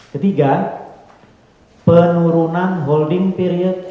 ketiga penurunan holding period